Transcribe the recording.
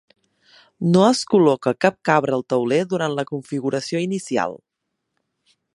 No es col·loca cap cabra al tauler durant la configuració inicial.